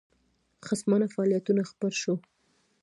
خصمانه فعالیتونو خبر شو.